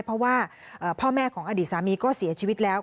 เพราะว่าพ่อแม่ของอดีตสามีก็เสียชีวิตแล้ว